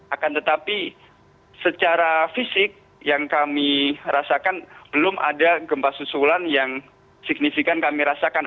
akan tetapi secara fisik yang kami rasakan belum ada gempa susulan yang signifikan kami rasakan